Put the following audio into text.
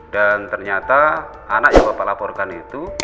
dan ternyata anak yang bapak laporkan itu